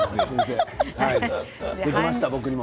できました、僕にも。